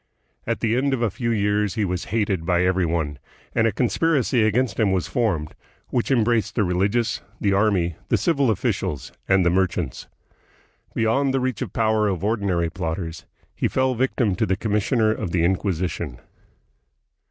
At the end of a few years he was hated by every one, and a conspiracy against him was formed which embraced the religious, the army, the civil officials, and the merchants. Beyond the reach of the power of ordinary plotters, he fell a vic tim to the commissioner of the Inquisition.